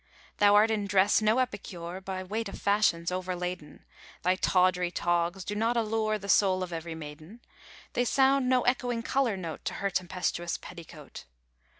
Thou art in dress no epicure, By weight of fashions overladen; Thy tawdry togs do not allure The soul of every maiden; They sound no echoing color note To her tempestuous petticoat.